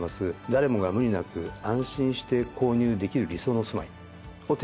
「誰もが無理なく安心して購入できる理想の住まい」を提供する。